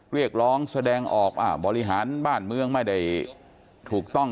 เรียกร้องแสดงออกว่าบริหารบ้านเมืองไม่ได้ถูกต้อง